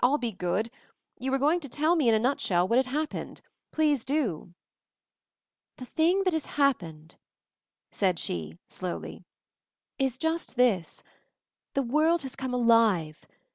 I'll be good. You were going to tell me, in a nutshell, what had happened — please do." "The thing that has happened," said she, slowly, "is just this. The world has come alive.